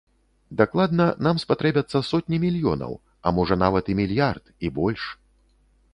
Дакладна, нам спатрэбяцца сотні мільёнаў, а можа нават і мільярд, і больш.